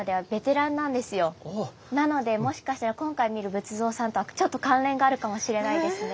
なのでもしかしたら今回見る仏像さんとはちょっと関連があるかもしれないですね。